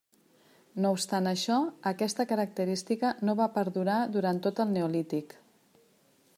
No obstant això, aquesta característica no va perdurar durant tot el neolític.